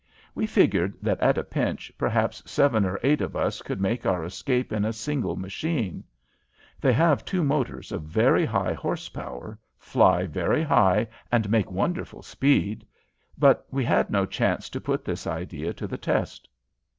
We figured that at a pinch perhaps seven or eight of us could make our escape in a single machine. They have two motors of very high horse power, fly very high and make wonderful speed. But we had no chance to put this idea to the test.